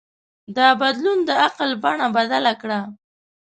دا بدلون د عقل بڼه بدله کړه.